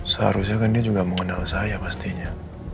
seharusnya kan dia juga mengenal saya pastinya